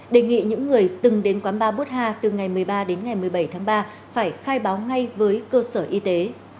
đề nghị những người từng đến quán ba butha từ ngày một mươi ba đến ngày một mươi bảy tháng ba phải khai báo ngay với cơ sở y tế